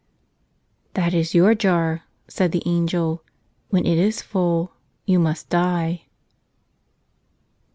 "That is your jar," said the angel. "When it is full you must die."